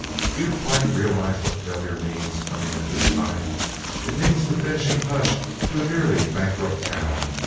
Do you quite realize what failure means, coming at this time? It means the finishing touch to a nearly bankrupt town.